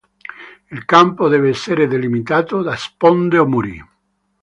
Il campo deve essere delimitato da sponde o muri.